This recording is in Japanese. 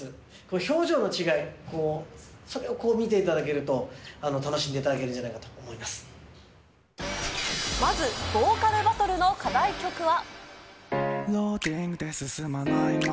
表情の違い、それを見ていただけると、楽しんでいただけるんじゃまず、ボーカルバトルの課題曲は。